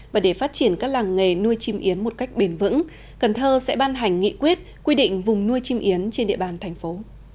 và để phát triển các làng nghề nuôi chim yến một cách bền vững cần thơ sẽ ban hành nghị quyết quy định vùng nuôi chim yến trên địa bàn thành phố